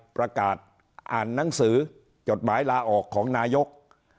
ประกาศอ่านหนังสือจดหมายลาออกของนายก